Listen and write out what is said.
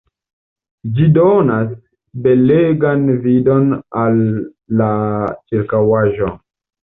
Ĝi donas belegan vidon al la ĉirkaŭaĵo.